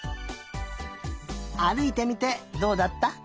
あるいてみてどうだった？